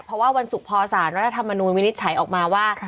เพราะว่าวันศุกร์พอสารรัฐธรรมนูลวินิจฉัยออกมาว่า